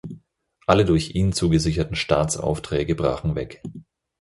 Alle durch ihn zugesicherten Staatsaufträge brachen weg.